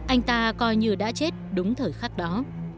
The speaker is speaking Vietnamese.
anh ta coi như đã chết đúng thời khắc đó